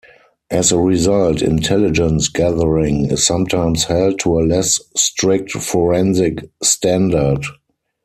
As a result, intelligence gathering is sometimes held to a less strict forensic standard.